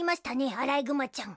アライグマちゃん。